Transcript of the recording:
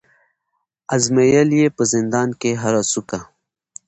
آزمېیل یې په زندان کي هره څوکه